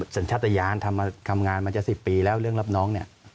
สัญชาติยานทำงานมาจะ๑๐ปีแล้วเรื่องรับน้องเนี่ย